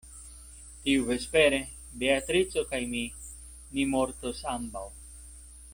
Tiuvespere Beatrico kaj mi ni mortos ambaŭ.